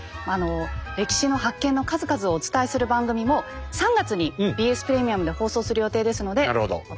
歴史の発見の数々をお伝えする番組も３月にＢＳプレミアムで放送する予定ですのでお楽しみに。